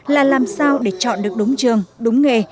là làm sao để chọn được đúng trường đúng nghề